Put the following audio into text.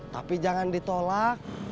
tapi jangan ditolak